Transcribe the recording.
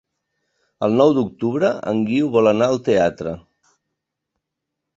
El nou d'octubre en Guiu vol anar al teatre.